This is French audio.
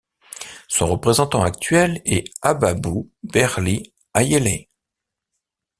Son représentant actuel est Ababu Berlie Ayele.